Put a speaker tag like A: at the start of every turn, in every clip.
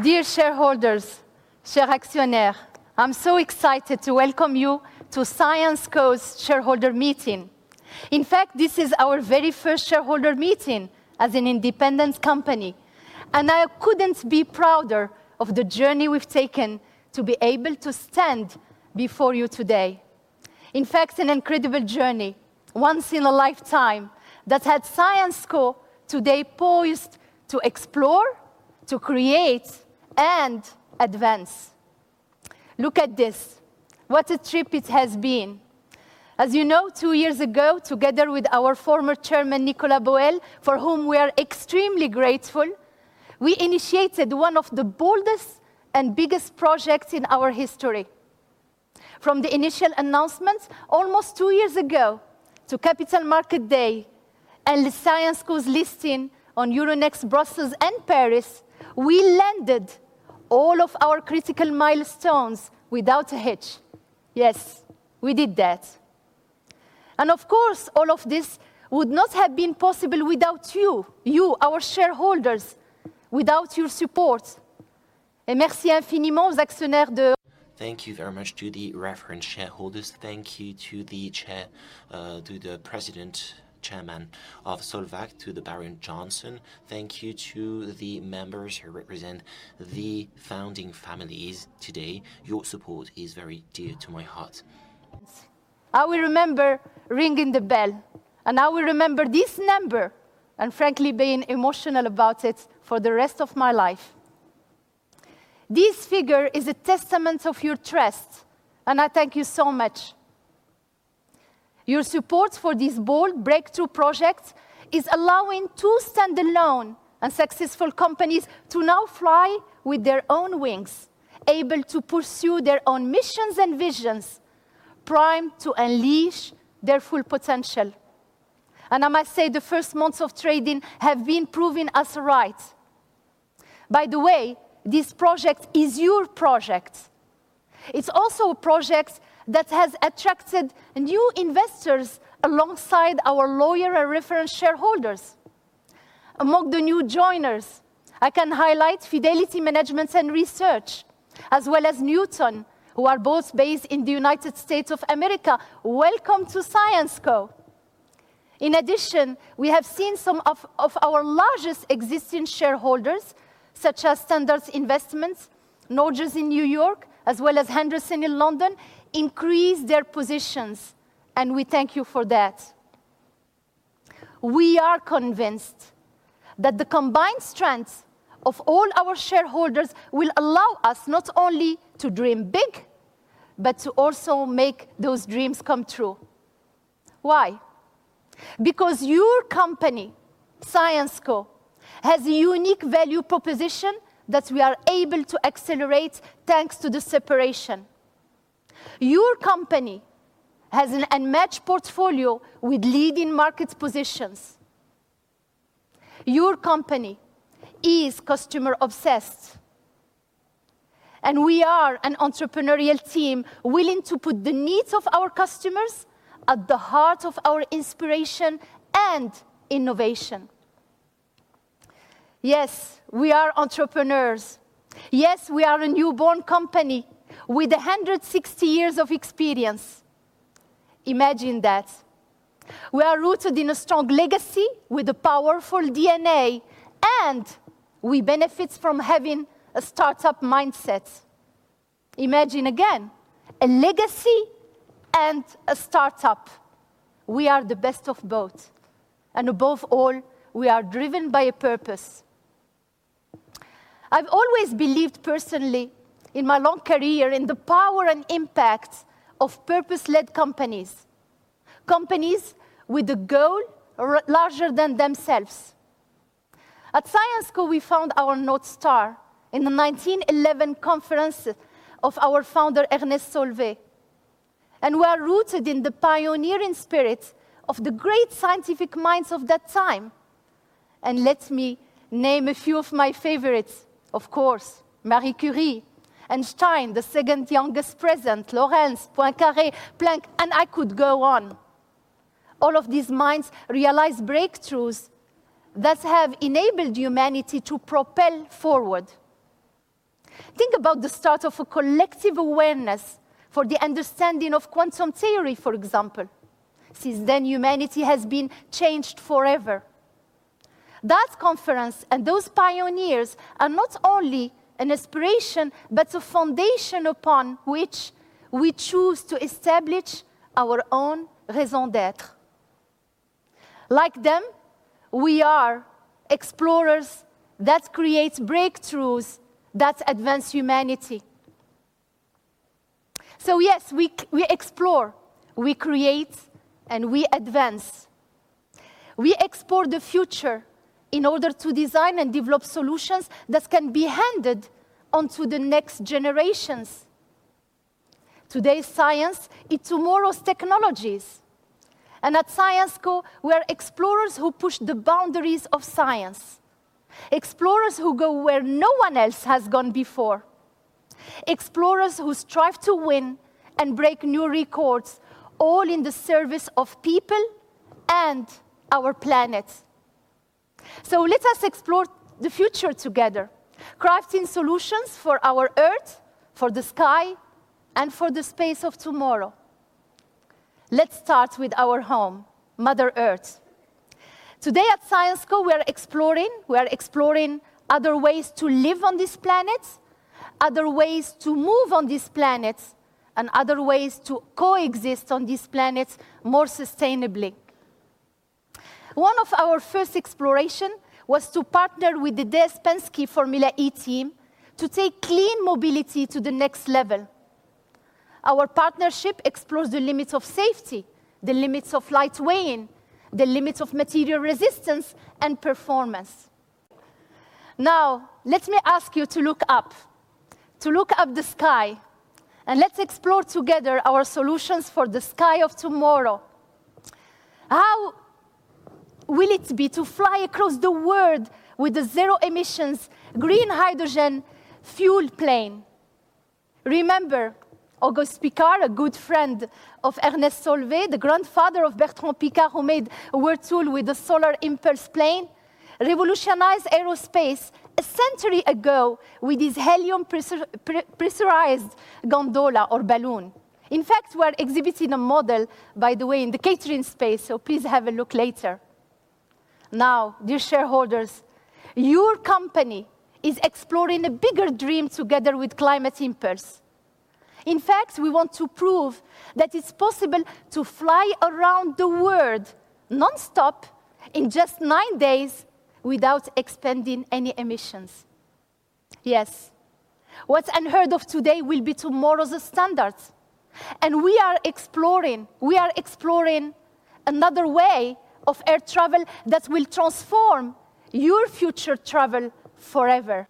A: Dear shareholders, chers actionnaires, I'm so excited to welcome you to Syensqo's Shareholder Meeting. In fact, this is our very first shareholder meeting as an independent company, and I couldn't be prouder of the journey we've taken to be able to stand before you today. In fact, an incredible journey, once in a lifetime, that had Syensqo today poised to explore, to create, and advance. Look at this, what a trip it has been. As you know, two years ago, together with our former chairman, Nicolas Boël, for whom we are extremely grateful, we initiated one of the boldest and biggest projects in our history. From the initial announcement almost two years ago to Capital Market Day and Syensqo's listing on Euronext Brussels and Paris, we landed all of our critical milestones without a hitch. Yes, we did that. Of course, all of this would not have been possible without you, you, our shareholders, without your support. Et merci infiniment, les actionnaires.
B: Thank you very much to the reference shareholders. Thank you to the chair, to the President, Chairman of Solvac, to the Baron Janssen. Thank you to the members who represent the founding families today. Your support is very dear to my heart.
A: I will remember ringing the bell, and I will remember this number, and frankly, being emotional about it for the rest of my life. This figure is a testament of your trust, and I thank you so much. Your support for this bold breakthrough project is allowing two standalone and successful companies to now fly with their own wings, able to pursue their own missions and visions, primed to unleash their full potential. I must say, the first months of trading have been proving us right. By the way, this project is your project. It's also a project that has attracted new investors alongside our loyal and reference shareholders. Among the new joiners, I can highlight Fidelity Management and Research, as well as Newton, who are both based in the United States of America. Welcome to Syensqo. In addition, we have seen some of our largest existing shareholders, such as Standard Investments, Norges in New York, as well as Henderson in London, increase their positions, and we thank you for that. We are convinced that the combined strength of all our shareholders will allow us not only to dream big, but to also make those dreams come true. Why? Because your company, Syensqo, has a unique value proposition that we are able to accelerate thanks to the separation. Your company has an unmatched portfolio with leading market positions. Your company is customer-obsessed, and we are an entrepreneurial team willing to put the needs of our customers at the heart of our inspiration and innovation. Yes, we are entrepreneurs. Yes, we are a newborn company with 160 years of experience. Imagine that. We are rooted in a strong legacy with a powerful DNA, and we benefit from having a startup mindset. Imagine again, a legacy and a startup. We are the best of both. And above all, we are driven by a purpose. I've always believed personally, in my long career, in the power and impact of purpose-led companies, companies with a goal larger than themselves. At Syensqo, we found our North Star in the 1911 conference of our founder, Ernest Solvay. And we are rooted in the pioneering spirit of the great scientific minds of that time. And let me name a few of my favorites, of course, Marie Curie, Einstein, the second youngest president, Lorentz, Poincaré, Planck, and I could go on. All of these minds realized breakthroughs that have enabled humanity to propel forward. Think about the start of a collective awareness for the understanding of quantum theory, for example. Since then, humanity has been changed forever. That conference and those pioneers are not only an inspiration, but a foundation upon which we choose to establish our own raison d'être. Like them, we are explorers that create breakthroughs that advance humanity. So yes, we explore, we create, and we advance. We explore the future in order to design and develop solutions that can be handed on to the next generations. Today's science is tomorrow's technologies. At Syensqo, we are explorers who push the boundaries of science, explorers who go where no one else has gone before, explorers who strive to win and break new records, all in the service of people and our planet. So let us explore the future together, crafting solutions for our Earth, for the sky, and for the space of tomorrow. Let's start with our home, Mother Earth. Today at Syensqo, we are exploring, we are exploring other ways to live on this planet, other ways to move on this planet, and other ways to coexist on this planet more sustainably. One of our first explorations was to partner with the DS Penske Formula E team to take clean mobility to the next level. Our partnership explores the limits of safety, the limits of lightweighting, the limits of material resistance, and performance. Now, let me ask you to look up, to look up the sky, and let's explore together our solutions for the sky of tomorrow. How will it be to fly across the world with a zero-emissions, green hydrogen fuel plane? Remember Auguste Piccard, a good friend of Ernest Solvay, the grandfather of Bertrand Piccard, who made a world tour with the Solar Impulse plane, revolutionized aerospace a century ago with his helium-pressurized gondola or balloon. In fact, we are exhibiting a model, by the way, in the catering space, so please have a look later. Now, dear shareholders, your company is exploring a bigger dream together with Climate Impulse. In fact, we want to prove that it's possible to fly around the world nonstop in just nine days without expending any emissions. Yes, what's unheard of today will be tomorrow's standards. And we are exploring, we are exploring another way of air travel that will transform your future travel forever.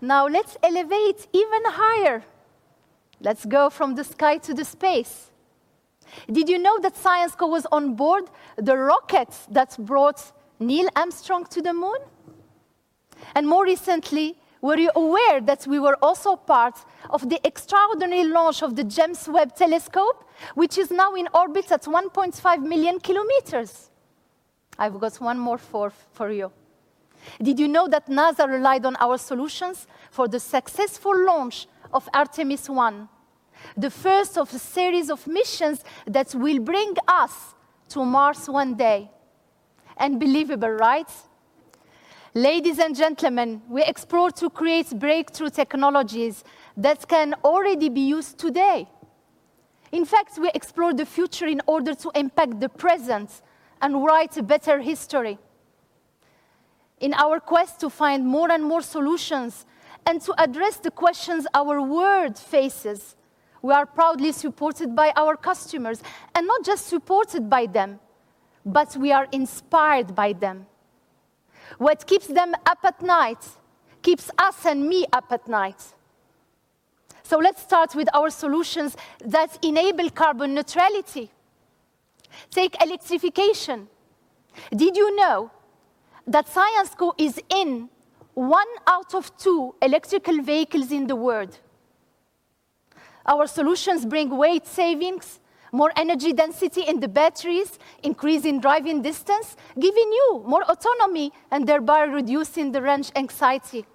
A: Now, let's elevate even higher. Let's go from the sky to the space. Did you know that Syensqo was on board the rocket that brought Neil Armstrong to the moon? More recently, were you aware that we were also part of the extraordinary launch of the James Webb Telescope, which is now in orbit at 1.5 million km? I've got one more for you. Did you know that NASA relied on our solutions for the successful launch of Artemis I, the first of a series of missions that will bring us to Mars one day? Unbelievable, right? Ladies and gentlemen, we explore to create breakthrough technologies that can already be used today. In fact, we explore the future in order to impact the present and write a better history. In our quest to find more and more solutions and to address the questions our world faces, we are proudly supported by our customers, and not just supported by them, but we are inspired by them. What keeps them up at night keeps us and me up at night. So let's start with our solutions that enable carbon neutrality. Take electrification. Did you know that Syensqo is in 1 out of 2 electric vehicles in the world? Our solutions bring weight savings, more energy density in the batteries, increasing driving distance, giving you more autonomy and thereby reducing the range anxiety.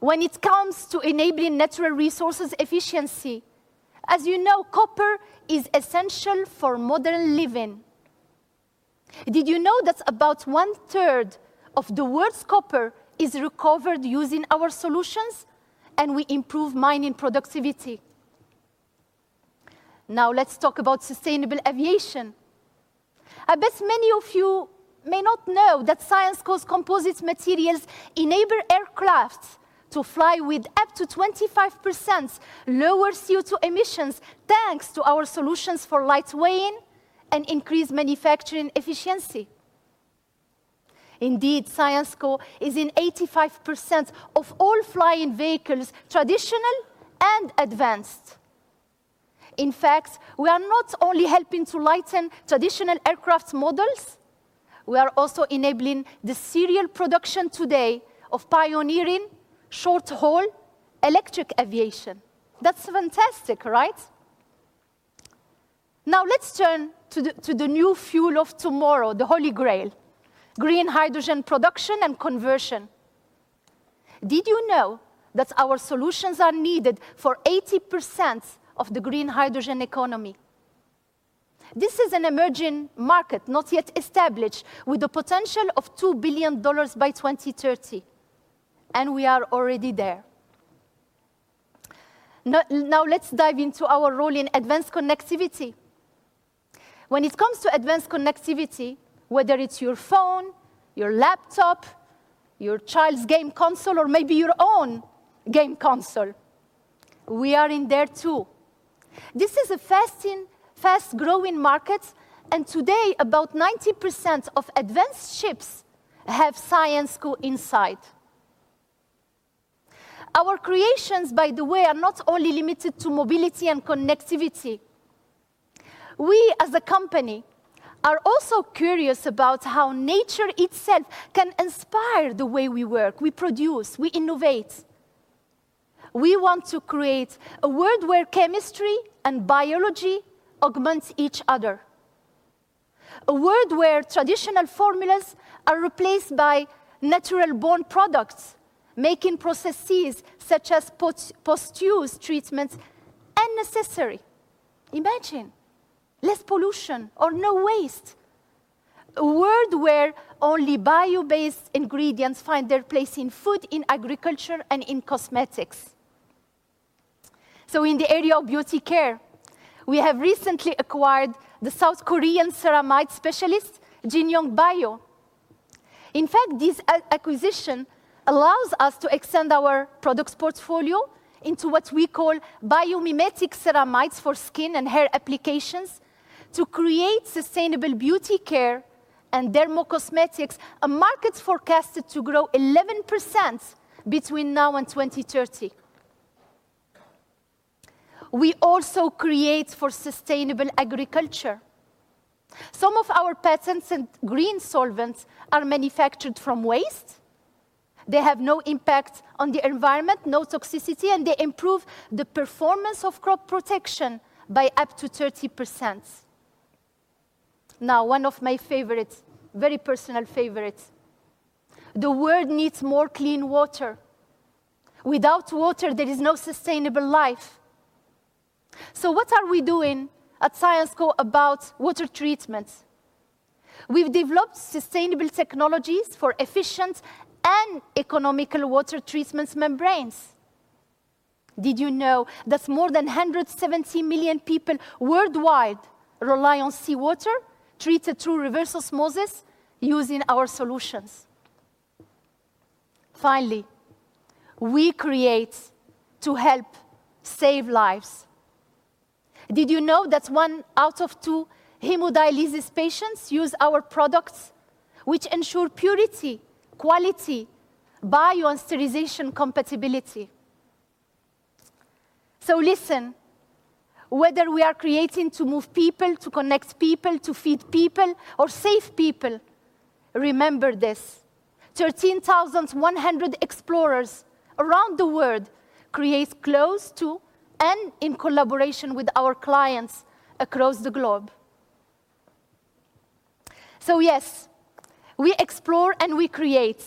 A: When it comes to enabling natural resources efficiency, as you know, copper is essential for modern living. Did you know that about 1/3 of the world's copper is recovered using our solutions, and we improve mining productivity? Now, let's talk about sustainable aviation. I bet many of you may not know that Syensqo's composite materials enable aircraft to fly with up to 25% lower CO2 emissions thanks to our solutions for lightweighting and increased manufacturing efficiency. Indeed, Syensqo is in 85% of all flying vehicles, traditional and advanced. In fact, we are not only helping to lighten traditional aircraft models, we are also enabling the serial production today of pioneering short-haul electric aviation. That's fantastic, right? Now, let's turn to the new fuel of tomorrow, the Holy Grail, green hydrogen production and conversion. Did you know that our solutions are needed for 80% of the green hydrogen economy? This is an emerging market, not yet established, with a potential of $2 billion by 2030, and we are already there. Now, let's dive into our role in advanced connectivity. When it comes to advanced connectivity, whether it's your phone, your laptop, your child's game console, or maybe your own game console, we are in there too. This is a fast-growing market, and today, about 90% of advanced chips have Syensqo inside. Our creations, by the way, are not only limited to mobility and connectivity. We, as a company, are also curious about how nature itself can inspire the way we work, we produce, we innovate. We want to create a world where chemistry and biology augment each other. A world where traditional formulas are replaced by natural-born products, making processes such as post-use treatments unnecessary. Imagine less pollution or no waste. A world where only bio-based ingredients find their place in food, in agriculture, and in cosmetics. So, in the area of beauty care, we have recently acquired the South Korean ceramide specialist, Jin Young Bio. In fact, this acquisition allows us to extend our product portfolio into what we call biomimetic ceramides for skin and hair applications to create sustainable beauty care and dermocosmetics, a market forecasted to grow 11% between now and 2030. We also create for sustainable agriculture. Some of our patents and green solvents are manufactured from waste. They have no impact on the environment, no toxicity, and they improve the performance of crop protection by up to 30%. Now, one of my favorites, very personal favorites. The world needs more clean water. Without water, there is no sustainable life. So, what are we doing at Syensqo about water treatments? We've developed sustainable technologies for efficient and economical water treatment membranes. Did you know that more than 170 million people worldwide rely on seawater treated through reverse osmosis using our solutions? Finally, we create to help save lives. Did you know that one out of two hemodialysis patients use our products, which ensure purity, quality, bio, and sterilization compatibility? So, listen, whether we are creating to move people, to connect people, to feed people, or save people, remember this: 13,100 explorers around the world create close to and in collaboration with our clients across the globe. So, yes, we explore and we create.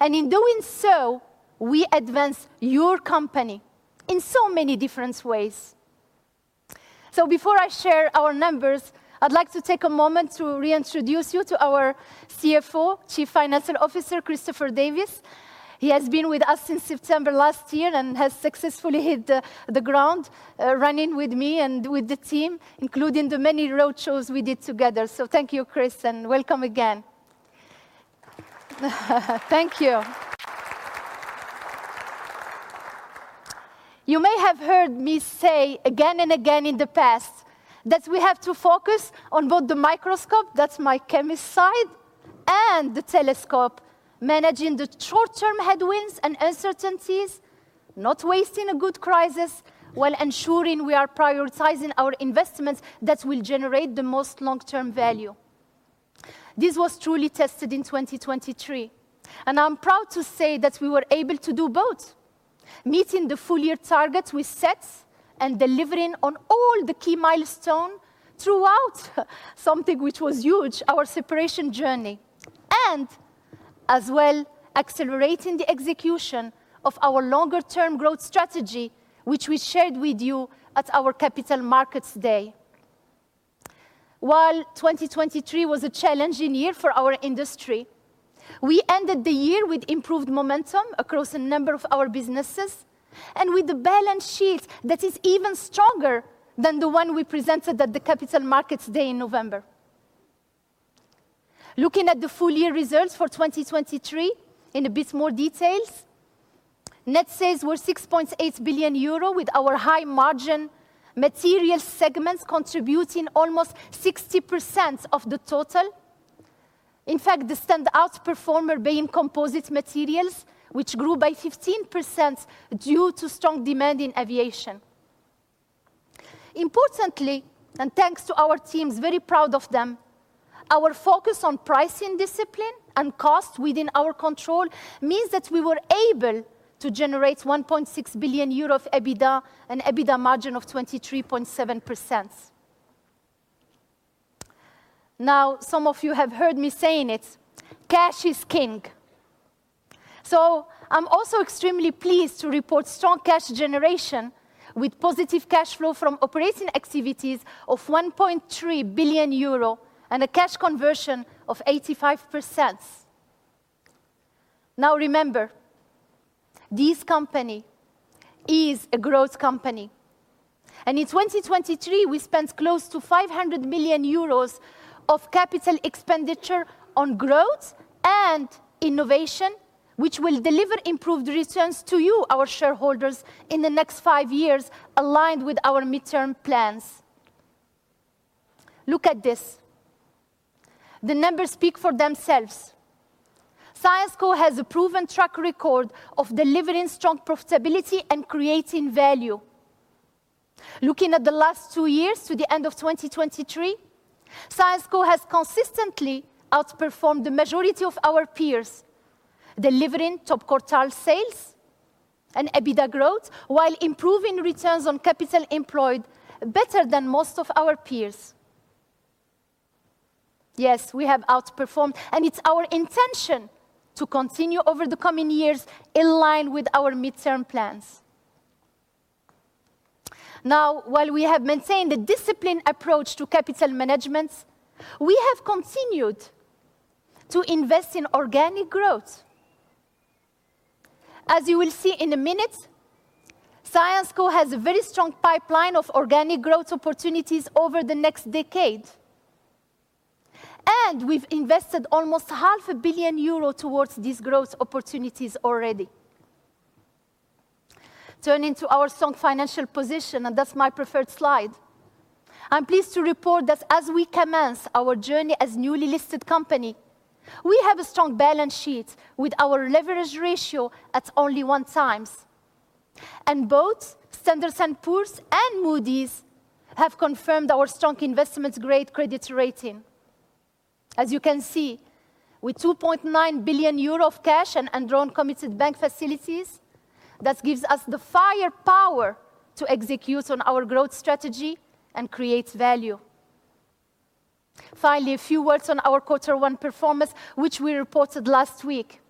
A: And in doing so, we advance your company in so many different ways. So, before I share our numbers, I'd like to take a moment to reintroduce you to our CFO, Chief Financial Officer, Christopher Davis. He has been with us since September last year and has successfully hit the ground running with me and with the team, including the many roadshows we did together. So, thank you, Chris, and welcome again. Thank you. You may have heard me say again and again in the past that we have to focus on both the microscope, that's my chemist side, and the telescope, managing the short-term headwinds and uncertainties, not wasting a good crisis while ensuring we are prioritizing our investments that will generate the most long-term value. This was truly tested in 2023, and I'm proud to say that we were able to do both: meeting the full year target we set and delivering on all the key milestones throughout something which was huge, our separation journey, and as well, accelerating the execution of our longer-term growth strategy, which we shared with you at our Capital Markets Day. While 2023 was a challenging year for our industry, we ended the year with improved momentum across a number of our businesses and with a balance sheet that is even stronger than the one we presented at the Capital Markets Day in November. Looking at the full year results for 2023 in a bit more detail, net sales were 6.8 billion euro with our high margin materials segment contributing almost 60% of the total. In fact, the standout performer being composite materials, which grew by 15% due to strong demand in aviation. Importantly, and thanks to our teams, very proud of them, our focus on pricing discipline and cost within our control means that we were able to generate 1.6 billion euro of EBITDA and EBITDA margin of 23.7%. Now, some of you have heard me saying it: cash is king. So, I'm also extremely pleased to report strong cash generation with positive cash flow from operating activities of 1.3 billion euro and a cash conversion of 85%. Now, remember, this company is a growth company. And in 2023, we spent close to 500 million euros of capital expenditure on growth and innovation, which will deliver improved returns to you, our shareholders, in the next five years aligned with our midterm plans. Look at this. The numbers speak for themselves. Syensqo has a proven track record of delivering strong profitability and creating value. Looking at the last two years to the end of 2023, Syensqo has consistently outperformed the majority of our peers, delivering top quartile sales and EBITDA growth while improving returns on capital employed better than most of our peers. Yes, we have outperformed, and it's our intention to continue over the coming years in line with our midterm plans. Now, while we have maintained a disciplined approach to capital management, we have continued to invest in organic growth. As you will see in a minute, Syensqo has a very strong pipeline of organic growth opportunities over the next decade. We've invested almost 500 million euro towards these growth opportunities already. Turning to our strong financial position, and that's my preferred slide, I'm pleased to report that as we commence our journey as a newly listed company, we have a strong balance sheet with our leverage ratio at only one times. Both Standard & Poor's and Moody's have confirmed our strong investment-grade credit rating. As you can see, with 2.9 billion euros of cash and enrolled committed bank facilities, that gives us the firepower to execute on our growth strategy and create value. Finally, a few words on our quarter one performance, which we reported last week.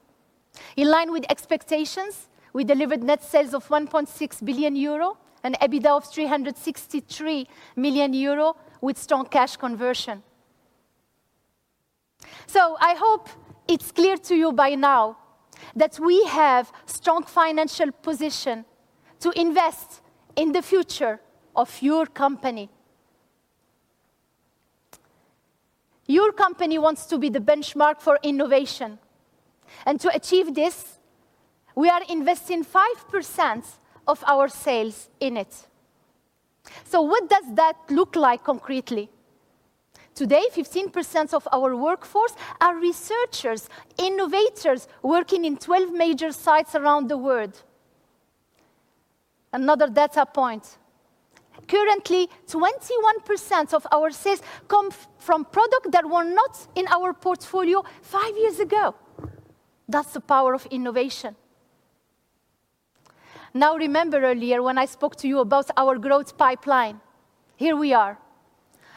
A: In line with expectations, we delivered net sales of 1.6 billion euro and EBITDA of 363 million euro with strong cash conversion. I hope it's clear to you by now that we have a strong financial position to invest in the future of your company. Your company wants to be the benchmark for innovation. To achieve this, we are investing 5% of our sales in it. So, what does that look like concretely? Today, 15% of our workforce are researchers, innovators working in 12 major sites around the world. Another data point: currently, 21% of our sales come from products that were not in our portfolio five years ago. That's the power of innovation. Now, remember earlier when I spoke to you about our growth pipeline? Here we are.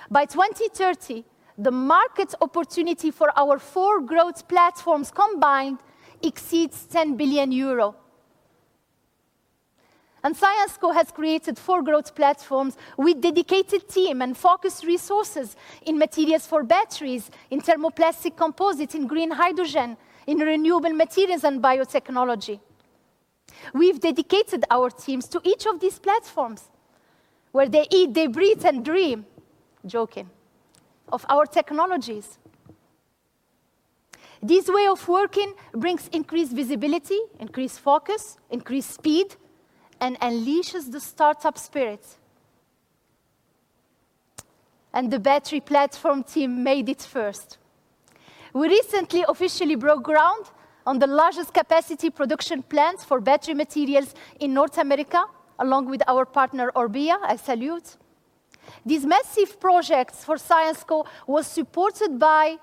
A: By 2030, the market opportunity for our four growth platforms combined exceeds 10 billion euro. And Syensqo has created four growth platforms with dedicated team and focused resources in materials for batteries, in thermoplastic composites, in green hydrogen, in renewable materials, and biotechnology. We've dedicated our teams to each of these platforms where they eat, they breathe, and dream, joking, of our technologies. This way of working brings increased visibility, increased focus, increased speed, and unleashes the startup spirit. The battery platform team made it first. We recently officially broke ground on the largest capacity production plants for battery materials in North America, along with our partner Orbia. I salute. These massive projects for Syensqo were supported by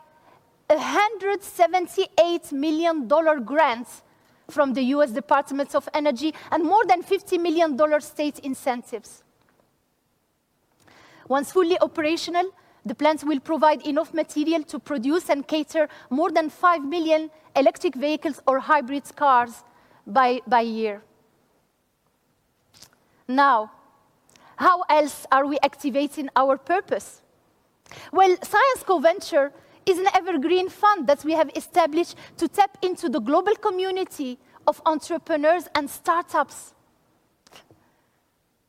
A: a $178 million grant from the U.S. Department of Energy and more than $50 million state incentives. Once fully operational, the plants will provide enough material to produce and cater more than 5 million electric vehicles or hybrid cars by year. Now, how else are we activating our purpose? Well, Syensqo Ventures is an evergreen fund that we have established to tap into the global community of entrepreneurs and startups.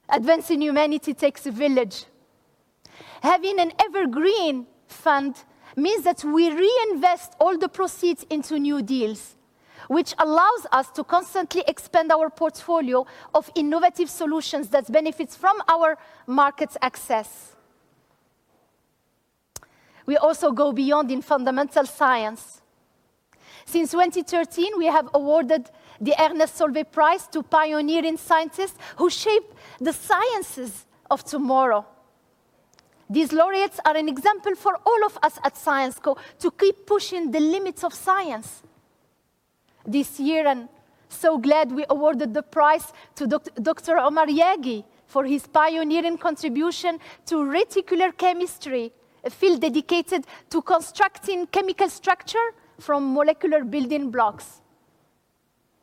A: Advancing humanity takes a village. Having an evergreen fund means that we reinvest all the proceeds into new deals, which allows us to constantly expand our portfolio of innovative solutions that benefit from our market access. We also go beyond in fundamental science. Since 2013, we have awarded the Ernest Solvay Prize to pioneering scientists who shape the sciences of tomorrow. These laureates are an example for all of us at Syensqo to keep pushing the limits of science. This year, I'm so glad we awarded the prize to Dr. Omar Yaghi for his pioneering contribution to reticular chemistry, a field dedicated to constructing chemical structure from molecular building blocks.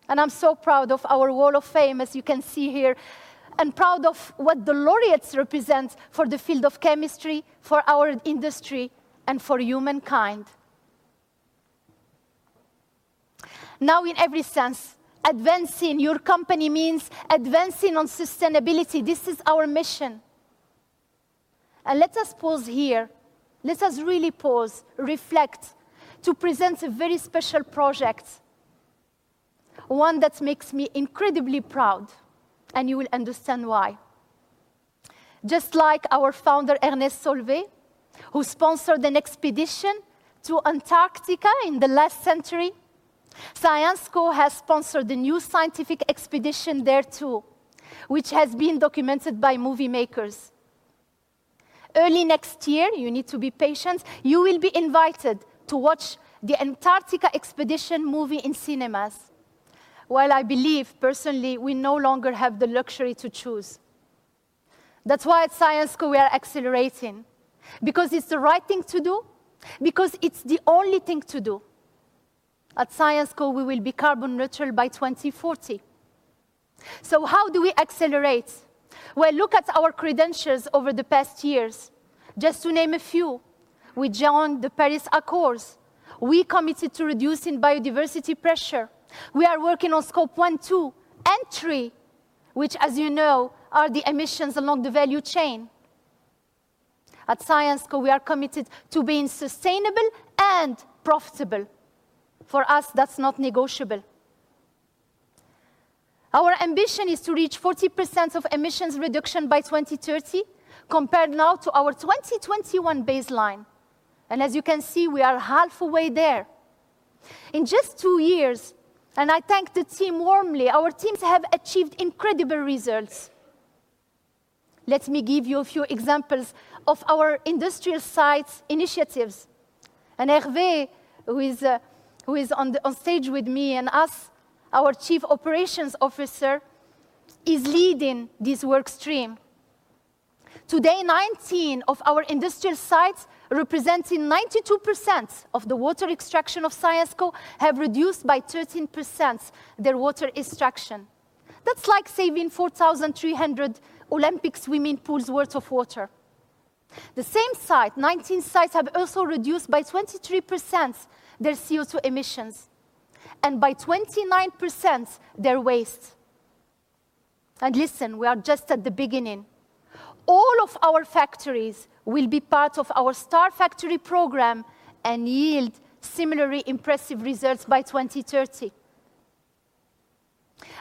A: And I'm so proud of our Wall of Fame, as you can see here, and proud of what the laureates represent for the field of chemistry, for our industry, and for humankind. Now, in every sense, advancing your company means advancing on sustainability. This is our mission. Let us pause here. Let us really pause, reflect to present a very special project, one that makes me incredibly proud, and you will understand why. Just like our founder, Ernest Solvay, who sponsored an expedition to Antarctica in the last century, Syensqo has sponsored a new scientific expedition there too, which has been documented by movie makers. Early next year, you need to be patient. You will be invited to watch the Antarctica Expedition movie in cinemas, while I believe personally we no longer have the luxury to choose. That's why at Syensqo we are accelerating, because it's the right thing to do, because it's the only thing to do. At Syensqo, we will be carbon neutral by 2040. So, how do we accelerate? Well, look at our credentials over the past years. Just to name a few, we joined the Paris Accords. We committed to reducing biodiversity pressure. We are working on Scope 1, 2, and 3, which, as you know, are the emissions along the value chain. At Syensqo, we are committed to being sustainable and profitable. For us, that's not negotiable. Our ambition is to reach 40% of emissions reduction by 2030, compared now to our 2021 baseline. As you can see, we are halfway there. In just 2 years, and I thank the team warmly, our teams have achieved incredible results. Let me give you a few examples of our industrial sites' initiatives. Hervé, who is on stage with me and us, our Chief Operations Officer, is leading this workstream. Today, 19 of our industrial sites, representing 92% of the water extraction of Syensqo, have reduced by 13% their water extraction. That's like saving 4,300 Olympic swimming pools' worth of water. The same site, 19 sites, have also reduced by 23% their CO2 emissions and by 29% their waste. And listen, we are just at the beginning. All of our factories will be part of our Star Factory program and yield similarly impressive results by 2030.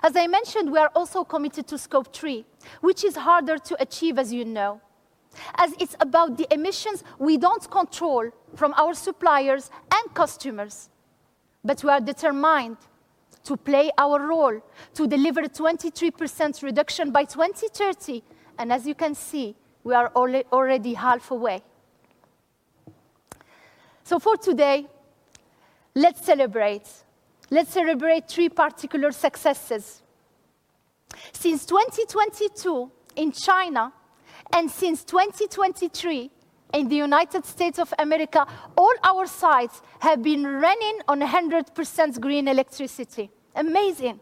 A: As I mentioned, we are also committed to Scope 3, which is harder to achieve, as you know, as it's about the emissions we don't control from our suppliers and customers. But we are determined to play our role to deliver a 23% reduction by 2030. And as you can see, we are already halfway. So, for today, let's celebrate. Let's celebrate three particular successes. Since 2022 in China and since 2023 in the United States of America, all our sites have been running on 100% green electricity. Amazing.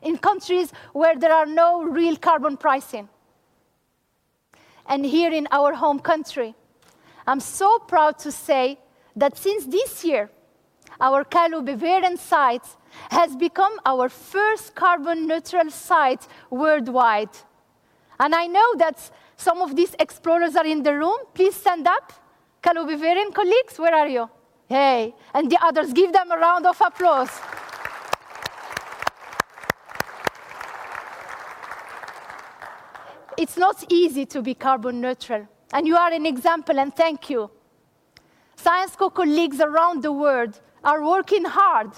A: In countries where there are no real carbon pricing. Here in our home country, I'm so proud to say that since this year, our Kallo-Beveren site has become our first carbon neutral site worldwide. I know that some of these explorers are in the room. Please stand up. Kallo-Beveren colleagues, where are you? Hey. The others, give them a round of applause. It's not easy to be carbon neutral. You are an example, and thank you. Syensqo colleagues around the world are working hard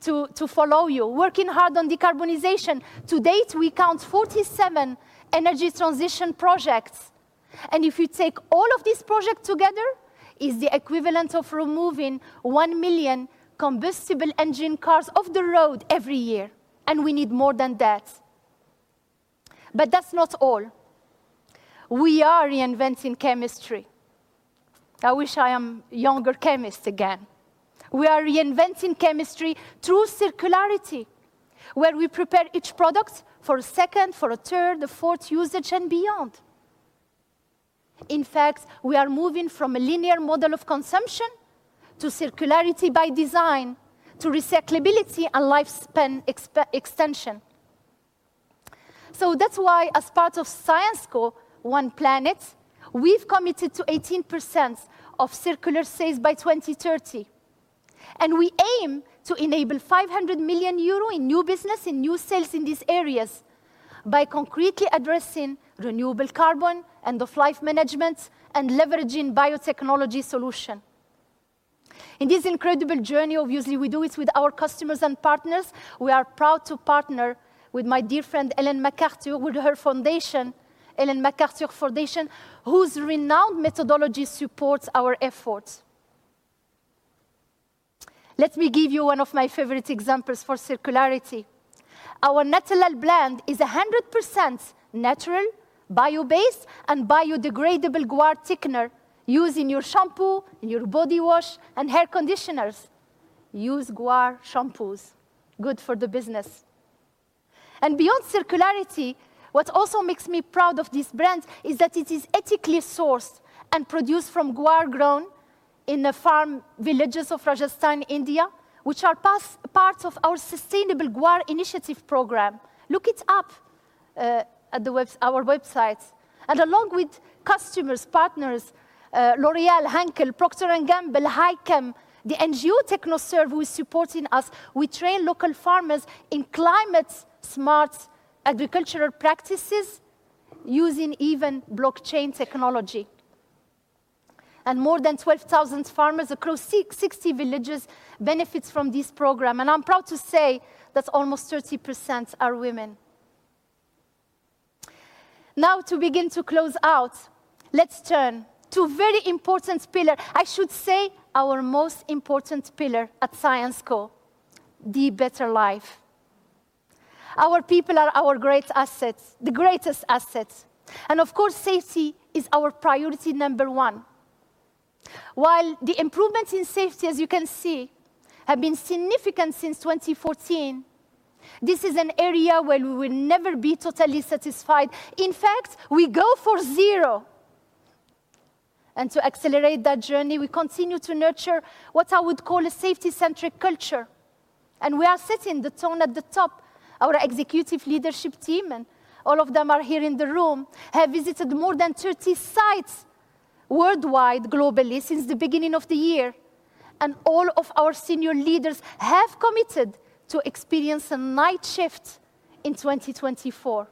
A: to follow you, working hard on decarbonization. To date, we count 47 energy transition projects. If you take all of these projects together, it's the equivalent of removing 1 million combustible engine cars off the road every year. We need more than that. That's not all. We are reinventing chemistry. I wish I am a younger chemist again. We are reinventing chemistry through circularity, where we prepare each product for a second, for a third, a fourth usage, and beyond. In fact, we are moving from a linear model of consumption to circularity by design, to recyclability and lifespan extension. So, that's why, as part of Syensqo One Planet, we've committed to 18% of circular sales by 2030. And we aim to enable 500 million euro in new business and new sales in these areas by concretely addressing renewable carbon and of life management and leveraging biotechnology solutions. In this incredible journey, obviously, we do it with our customers and partners. We are proud to partner with my dear friend Ellen MacArthur with her foundation, Ellen MacArthur Foundation, whose renowned methodology supports our efforts. Let me give you one of my favorite examples for circularity. Our Natural Blend is 100% natural, bio-based, and biodegradable guar thickener used in your shampoo, in your body wash, and hair conditioners. Use guar shampoos. Good for the business. And beyond circularity, what also makes me proud of this brand is that it is ethically sourced and produced from guar grown in the farm villages of Rajasthan, India, which are parts of our Sustainable Guar Initiative program. Look it up at our website. And along with customers, partners, L'Oréal, Henkel, Procter & Gamble, Hichem, the NGO TechnoServe, who is supporting us, we train local farmers in climate-smart agricultural practices using even blockchain technology. And more than 12,000 farmers across 60 villages benefit from this program. And I'm proud to say that almost 30% are women. Now, to begin to close out, let's turn to a very important pillar, I should say our most important pillar at Syensqo, the better life. Our people are our great assets, the greatest assets. And of course, safety is our priority number one. While the improvements in safety, as you can see, have been significant since 2014, this is an area where we will never be totally satisfied. In fact, we go for zero. And to accelerate that journey, we continue to nurture what I would call a safety-centric culture. And we are setting the tone at the top. Our executive leadership team, and all of them are here in the room, have visited more than 30 sites worldwide, globally, since the beginning of the year. And all of our senior leaders have committed to experience a night shift in 2024.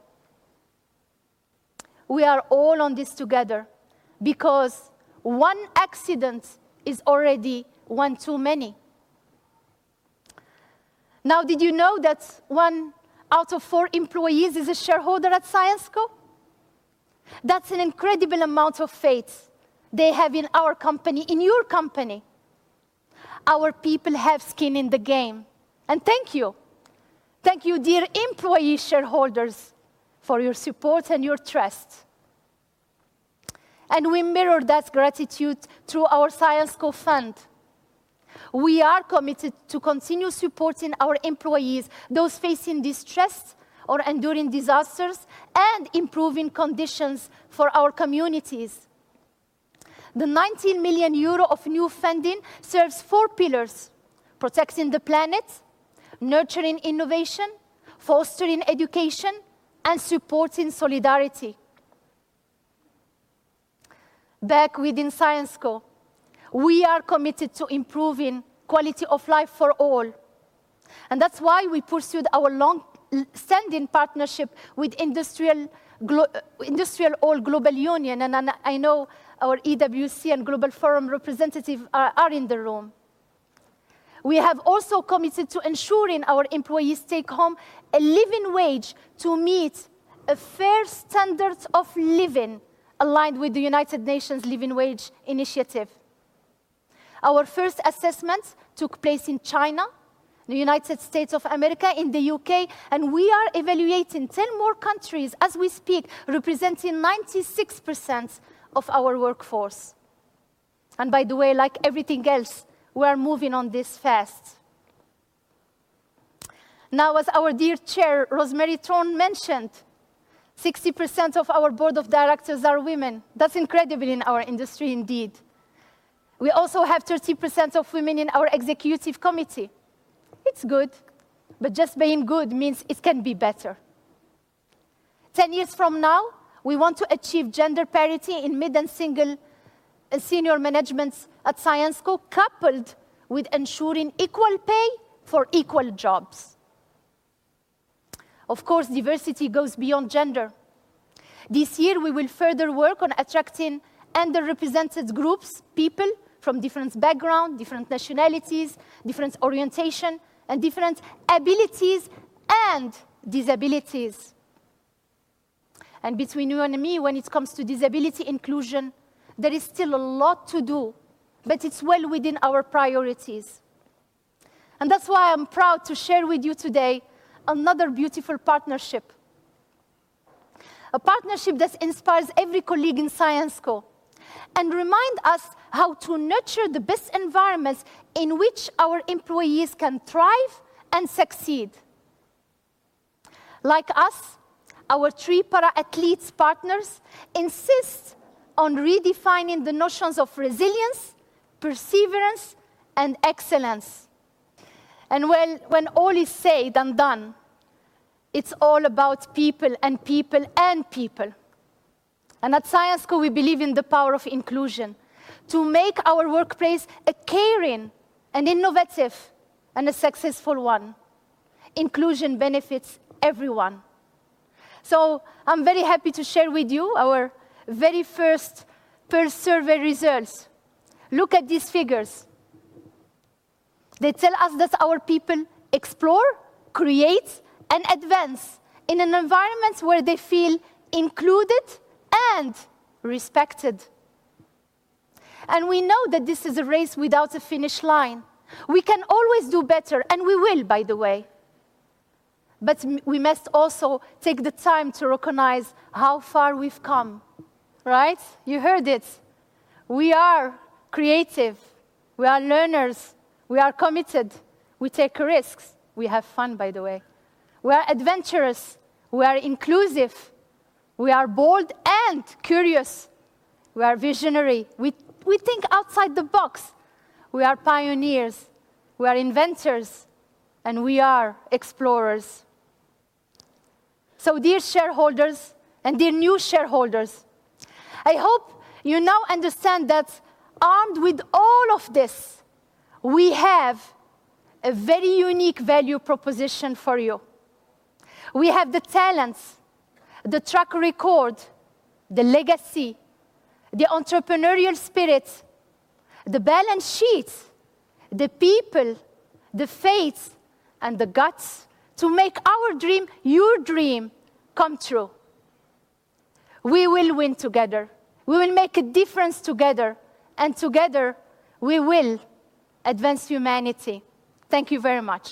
A: We are all on this together because one accident is already one too many. Now, did you know that one out of four employees is a shareholder at Syensqo? That's an incredible amount of faith they have in our company, in your company. Our people have skin in the game. And thank you. Thank you, dear employee shareholders, for your support and your trust. And we mirror that gratitude through our Syensqo Fund. We are committed to continue supporting our employees, those facing distress or enduring disasters, and improving conditions for our communities. The 19 million euro of new funding serves four pillars: protecting the planet, nurturing innovation, fostering education, and supporting solidarity. Back within Syensqo, we are committed to improving quality of life for all. And that's why we pursued our long-standing partnership with IndustriALL Global Union. And I know our EWC and Global Forum representatives are in the room. We have also committed to ensuring our employees take home a living wage to meet a fair standard of living aligned with the United Nations Living Wage Initiative. Our first assessment took place in China, the United States of America, in the U.K., and we are evaluating 10 more countries as we speak, representing 96% of our workforce. By the way, like everything else, we are moving on this fast. Now, as our dear Chair, Rosemary Thorne, mentioned, 60% of our Board of Directors are women. That's incredible in our industry, indeed. We also have 30% of women in our Executive Committee. It's good, but just being good means it can be better. 10 years from now, we want to achieve gender parity in mid and senior management at Syensqo, coupled with ensuring equal pay for equal jobs. Of course, diversity goes beyond gender. This year, we will further work on attracting underrepresented groups, people from different backgrounds, different nationalities, different orientations, and different abilities and disabilities. Between you and me, when it comes to disability inclusion, there is still a lot to do, but it's well within our priorities. That's why I'm proud to share with you today another beautiful partnership, a partnership that inspires every colleague in Syensqo and reminds us how to nurture the best environments in which our employees can thrive and succeed. Like us, our three para-athletes partners insist on redefining the notions of resilience, perseverance, and excellence. When all is said and done, it's all about people and people and people. At Syensqo, we believe in the power of inclusion to make our workplace a caring and innovative and a successful one. Inclusion benefits everyone. So, I'm very happy to share with you our very first Pearl Survey results. Look at these figures. They tell us that our people explore, create, and advance in an environment where they feel included and respected. We know that this is a race without a finish line. We can always do better, and we will, by the way. We must also take the time to recognize how far we've come, right? You heard it. We are creative. We are learners. We are committed. We take risks. We have fun, by the way. We are adventurous. We are inclusive. We are bold and curious. We are visionary. We think outside the box. We are pioneers. We are inventors. We are explorers. Dear shareholders and dear new shareholders, I hope you now understand that armed with all of this, we have a very unique value proposition for you. We have the talents, the track record, the legacy, the entrepreneurial spirit, the balance sheets, the people, the faith, and the guts to make our dream, your dream, come true. We will win together. We will make a difference together. Together, we will advance humanity. Thank you very much.